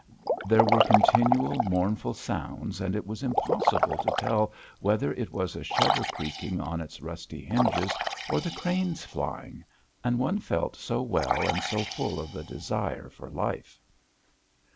There were continual mournful sounds and it was impossible to tell whether it was a shutter creaking on its rusty hinges or the cranes flying and one felt so well and so full of the desire for life!